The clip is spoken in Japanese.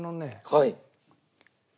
はい。